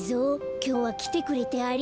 きょうはきてくれてありがとう。